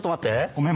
ごめん。